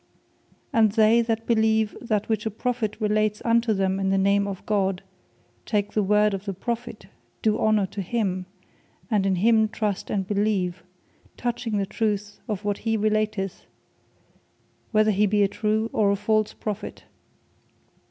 And they that believe that which a Prophet relates unto them in the name of God, take the word of the Prophet, do honour to him, and in him trust, and believe, touching the truth of what he relateth, whether he be a true, or a false Prophet.